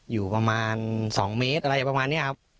อยู่ประมาณ๒เมตรอะไรประมาณนี้ครับ